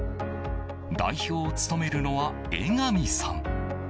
代表を務めるのは江上さん。